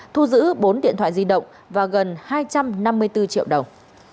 thu giữ bốn điện thoại di động và gần hai trăm năm mươi bốn triệu đồng